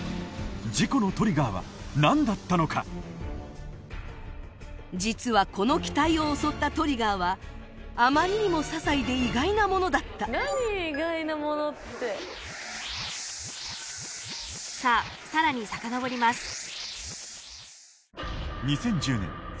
事故のトリガーは何だったのか実はこの機体を襲ったトリガーはあまりにも些細で意外なものだったさあさらにさかのぼります